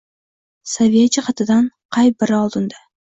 Saviya jihatidan qay biri oldinda?